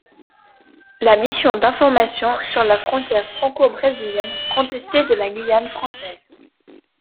La mission d'information sur la frontière franco-brésilienne contestée de la Guyane française.